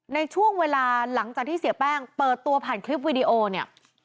ในช่วงเวลาหลังจากที่เสียแป้งเปิดตัวผ่านคลิปวิดีโอเนี่ย